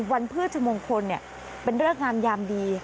วันพืชมุงคลเป็นเริ่มงามยามดี